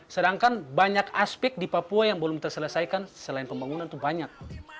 sedangkan banyak aspek di papua yang belum terselesaikan selain pembangunan itu banyak